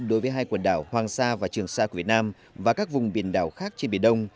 đối với hai quần đảo hoàng sa và trường sa của việt nam và các vùng biển đảo khác trên biển đông